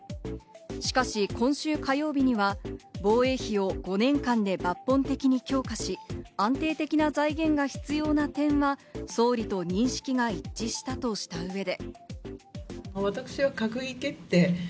しかし今週火曜日には防衛費を５年間で抜本的に強化し、安定的な財源が必要な点が総理と認識が一致したとした上で。